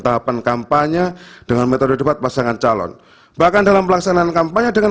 tahapan kampanye dengan metode debat pasangan calon bahkan dalam pelaksanaan kampanye dengan